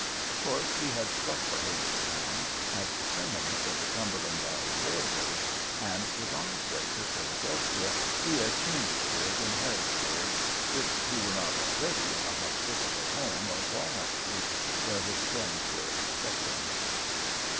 Of course he had struck for Hagerstown as the terminus of the Cumberland Valley Railroad, and was on his way to Philadelphia, via Chambersburg and Harrisburg, if he were not already in the hospitable home of Walnut Street, where his friends were expecting him.